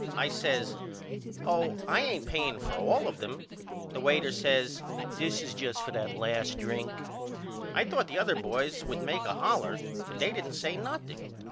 I says Oh I ain't paying for all of them. The waiter says This is just for that last drink. I thought the other boys would make a holler but they didn't say nothing.